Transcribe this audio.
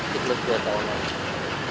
sekilis dua tahunan